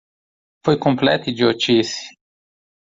Foi completa idiotice.